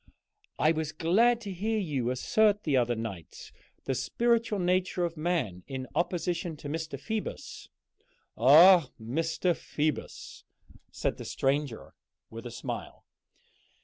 "I was glad to hear you assert the other night the spiritual nature of man in opposition to Mr. Phoebus." "Ah, Mr. Phoebus!" said the stranger, with a smile.